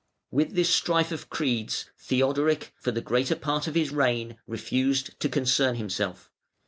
With this strife of creeds Theodoric, for the greater part of his reign, refused to concern himself.